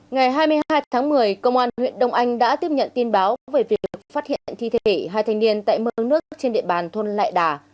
ngày hai mươi hai tháng một mươi công an huyện đông anh đã tiếp nhận tin báo về việc phát hiện thi thể hai thanh niên tại mương nước trên địa bàn thôn lại đà